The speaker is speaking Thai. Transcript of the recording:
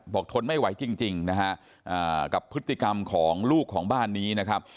ทนไม่ไหวจริงนะฮะกับพฤติกรรมของลูกของบ้านนี้นะครับ